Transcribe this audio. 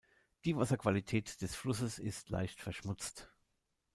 Die Wasserqualität des Flusses ist leicht verschmutzt.